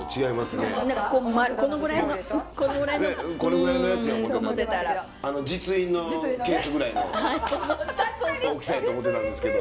ねっこのぐらいのやつや思ってたんですけど実印のケースぐらいの大きさやと思ってたんですけど。